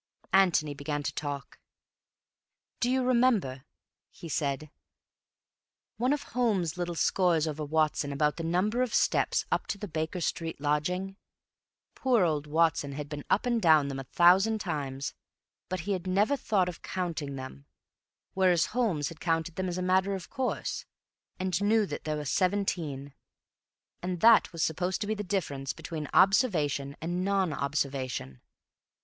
Antony began to talk. "Do you remember," he said, "one of Holmes's little scores over Watson about the number of steps up to the Baker Street lodging? Poor old Watson had been up and down them a thousand times, but he had never thought of counting them, whereas Holmes had counted them as a matter of course, and knew that there were seventeen. And that was supposed to be the difference between observation and non observation.